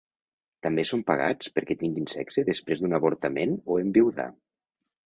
També són pagats perquè tinguen sexe després d'un avortament o enviduar.